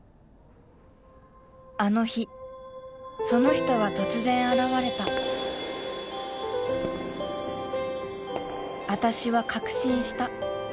あの日その人は突然現れた私は確信した